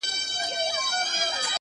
o اول سلام ،پسې اتام٫